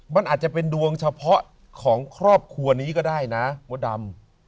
มันอาจจะเป็นดวงเฉพาะของครอบครัวนี้ก็ได้นะมดดำ